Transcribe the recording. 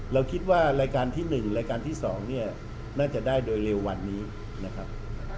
เราคิดว่ารายการที่๑รายการที่๒เนี่ยน่าจะได้โดยเร็ววันนี้นะครับ